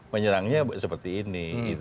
menyerangnya seperti ini